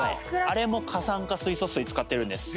あれも過酸化水素水使ってるんです。